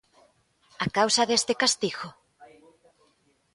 ¿A causa deste castigo?